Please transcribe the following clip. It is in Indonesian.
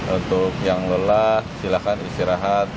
untuk yang lelah silahkan istirahat